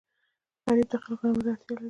غریب خلک غنمو ته اړتیا لري.